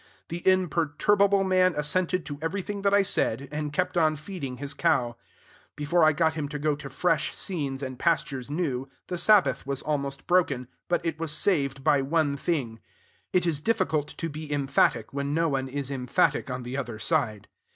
The imperturbable man assented to everything that I said, and kept on feeding his cow. Before I got him to go to fresh scenes and pastures new, the Sabbath was almost broken; but it was saved by one thing: it is difficult to be emphatic when no one is emphatic on the other side.